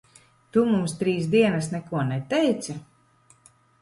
Tu mums trīs dienas neko neteici?